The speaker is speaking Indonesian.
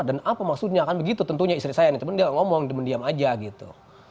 dan apa maksudnya kan begitu tentunya istri saya tapi dia ngomong diam aja gitu